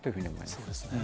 そうですね。